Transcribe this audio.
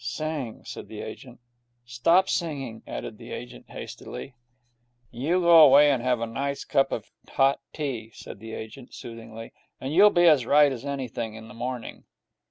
'Sing,' said the agent. 'Stop singing,' added the agent, hastily. 'You go away and have a nice cup of hot tea,' said the agent, soothingly, 'and you'll be as right as anything in the morning.'